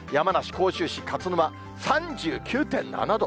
甲州市勝沼３９．７度。